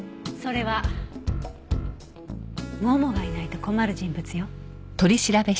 それはももがいないと困る人物よ。